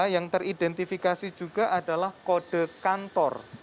yang teridentifikasi juga adalah kode kantor